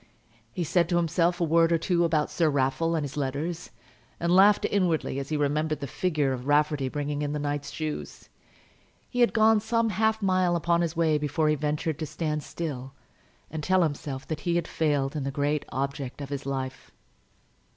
He said to himself a word or two about Sir Raffle and his letters, and laughed inwardly as he remembered the figure of Rafferty bringing in the knight's shoes. He had gone some half mile upon his way before he ventured to stand still and tell himself that he had failed in the great object of his life.